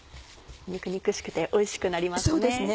肉々しくておいしくなりますね。